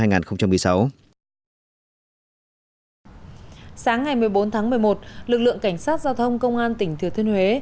sáng ngày một mươi bốn tháng một mươi một lực lượng cảnh sát giao thông công an tỉnh thừa thiên huế